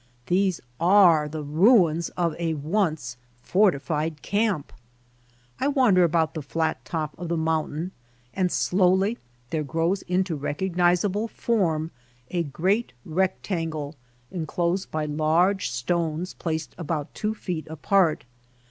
These are the ruins of a once fortified camp. I wander about the flat top of the mountain and slowly there grows into recognizable form a great rectangle enclosed by large stones placed about two feet apart.